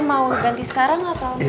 mau ganti sekarang atau